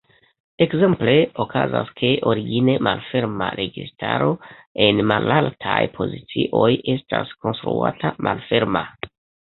Ekzemple okazas, ke origine malferma registro en malaltaj pozicioj estas konstruata malferma.